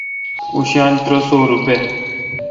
اوں شالہ ترہ سوروپے°